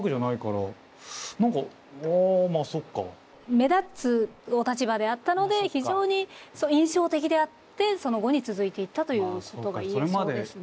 目立つお立場であったので非常に印象的であってその後に続いていったということが言えそうですね。